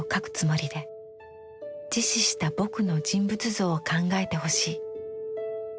自死した「ぼく」の人物像を考えてほしい。